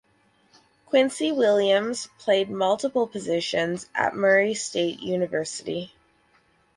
Quincy Williams played multiple positions at Murray State University.